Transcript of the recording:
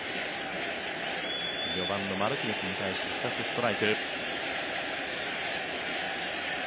４番のマルティネスに対して２つストライク。